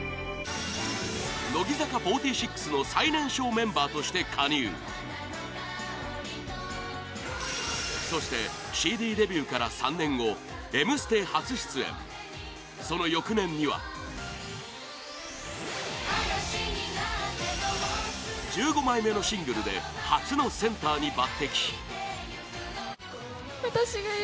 乃木坂４６の最年少メンバーとして加入そして、ＣＤデビューから３年後、「Ｍステ」初出演その翌年には１５枚目のシングルで初のセンターに抜擢